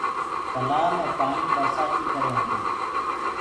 تلآه مي پآڻي برسآتي ڪري هوندو هي۔